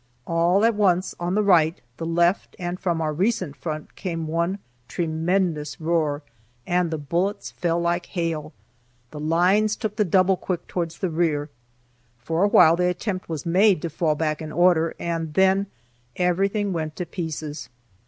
All at once, on the right, the left, and from our recent front, came one tremendous roar, and the bullets fell like hail. The lines took the double quick towards the rear. For awhile the attempt was made to fall back in order, and then everything went to pieces.